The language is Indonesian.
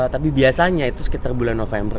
tapi biasanya itu sekitar bulan november